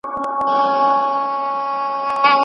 دا لویه ډبره له ډېر پخوا راهیسې د ځمکې مدار ته رانږدې کېږي.